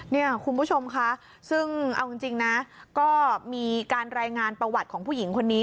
เนี่ยคุณผู้ชมค่ะซึ่งเอาจริงนะก็มีการรายงานประวัติของผู้หญิงคนนี้